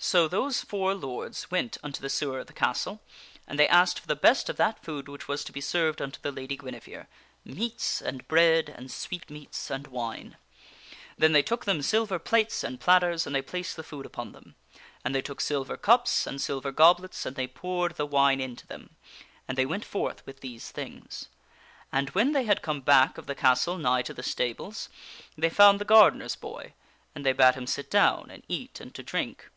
So those four lords went unto the sewer of the castle, and they asked for the best of that food which was to be served unto the Lady Guinevere meats and bread and sweetmeats and wine. Then they took Thefour them silver plates and platters and they placed the food upon knights serve them; and they took silver cups and silver goblets and they Jf/gf* poured the wine into them ; and they went forth with these things. And when they had come back of the castle nigh to the stables, 120 THE WINNING OF A QUEEN they found the gardener's boy, and they bade him sit down and eat and to drink.